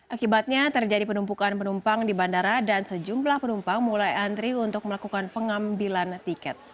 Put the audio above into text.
akibatnya terjadi penumpukan penumpang di bandara dan sejumlah penumpang mulai antri untuk melakukan pengambilan tiket